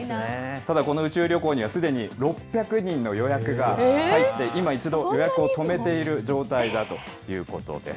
ただ、この宇宙旅行にはすでに６００人の予約が入って、今、一度、予約を止めている状態だということです。